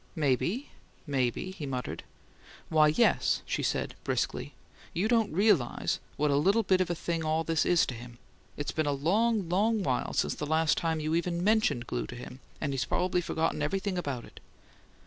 "Maybe, maybe," he muttered. "Why, yes," she said, briskly. "You don't realize what a little bit of a thing all this is to him. It's been a long, long while since the last time you even mentioned glue to him, and he's probably forgotten everything about it."